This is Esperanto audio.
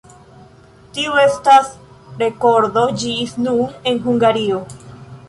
Tiu estas rekordo ĝis nun en Hungario.